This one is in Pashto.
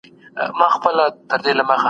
دې کار یوه روښانه لاره درلوده.